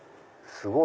すごい！